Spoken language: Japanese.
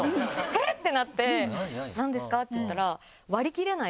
えっ？ってなって「何ですか？」って言ったら。